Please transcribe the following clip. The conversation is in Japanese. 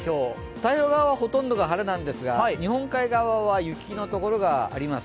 太平洋側はほとんど晴れなんですが日本海側は雪の所があります。